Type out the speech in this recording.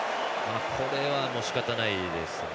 これはしかたないですね。